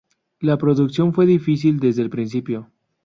La producción fue difícil desde el principio.